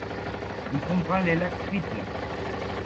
Il comprend les lacs Triple.